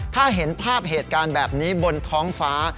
ถ้าเห็นภาพเหตุการณ์แบบนี้บนท้องฟ้า